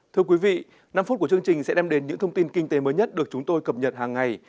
thưa quý vị năm phút của chương trình sẽ đem đến những thông tin kinh tế mới nhất được chúng tôi cập nhật hàng ngày